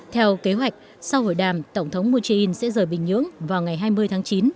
theo kế hoạch sau hội đàm tổng thống moon jae in sẽ rời bình nhưỡng vào ngày hai mươi tháng chín